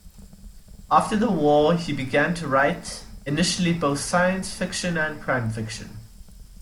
After the war, he began to write, initially both science fiction and crime fiction.